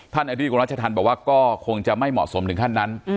ท่านอธิบยุครรมรัชธรรมบอกว่าก็คงจะไม่เหมาะสมถึงท่านนั้น